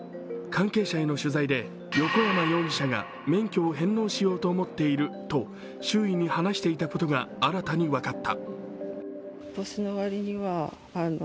関係者への取材で横山容疑者が免許を返納しようと思っていると周囲に話していたことが新たに分かった。